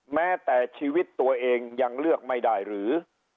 แม้แต่ชีวิตตัวเองยังเลือกไม่ได้หรือ